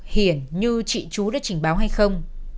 hiển như chị chú đã trình báo hay không